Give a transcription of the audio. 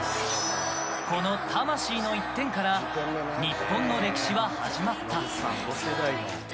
この魂の１点から日本の歴史は始まった。